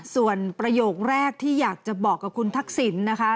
ส่วนประโยคแรกที่อยากจะบอกกับคุณทักษิณนะคะ